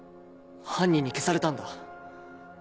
犯人に消されたんだ。